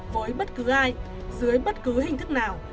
với bất cứ ai dưới bất cứ hình thức nào